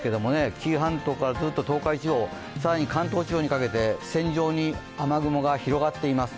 紀伊半島から東海地方、さらに関東地方にかけて線状に雨雲が広がっています。